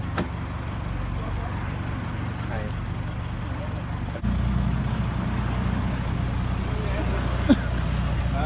ทุกคนสำคัญมาก